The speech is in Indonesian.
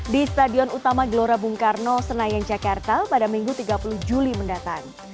di stadion utama gelora bung karno senayan jakarta pada minggu tiga puluh juli mendatang